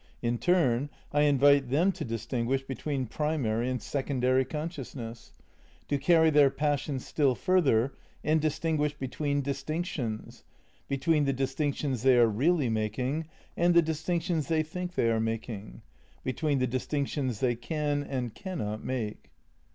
In turn I invite them to distinguish between primary and secondary consciousness; to carry their passion still further, and distinguish between distinctions, be tween the distinctions they are reaUy making and the distinctions they think they are making; between the distinctions they can and cannot make.